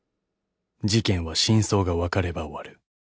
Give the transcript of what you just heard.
［事件は真相が分かれば終わる］